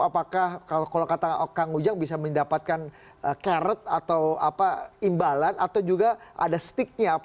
apakah kalau kata kang ujang bisa mendapatkan carrot atau imbalan atau juga ada sticknya